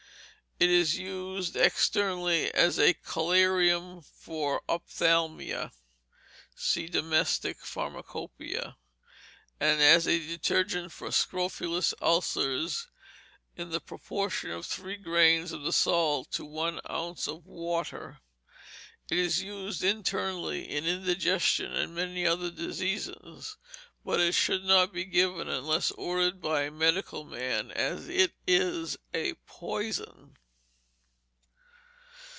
It is used externally as a collyrium for ophthalmia (See DOMESTIC PHARMACOPEIA, par. 475 et seq.), and as a detergent for scrofulous ulcers, in the proportion of three grains of the salt to one ounce of water. It is used internally in indigestion, and many other diseases; _but it should not be given unless ordered by a medical man, as it is a poison.